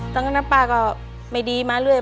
ตอนนั้นป้าก็ไม่ดีมาเรื่อย